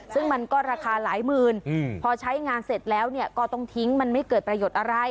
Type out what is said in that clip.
ซึ่งมันก็ราคาหลายหมื่นพอใช้งานเสร็จแล้วก็ต้องทิ้งมันไม่เกิดประโยชน์อะไร